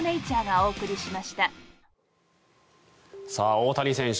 大谷選手